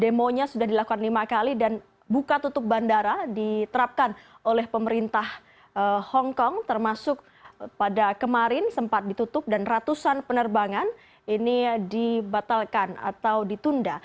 demonya sudah dilakukan lima kali dan buka tutup bandara diterapkan oleh pemerintah hongkong termasuk pada kemarin sempat ditutup dan ratusan penerbangan ini dibatalkan atau ditunda